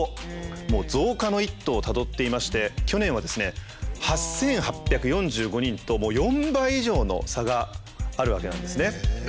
もう増加の一途をたどっていまして去年はですね８，８４５人と４倍以上の差があるわけなんですね。